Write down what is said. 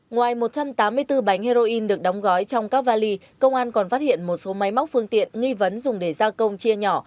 ngoài một trăm tám mươi bốn bánh heroin được đóng gói trong các vali công an còn phát hiện một số máy móc phương tiện nghi vấn dùng để gia công chia nhỏ